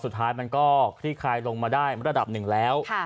สุดท้ายมันก็คลี่คลายลงมาได้ระดับหนึ่งแล้ว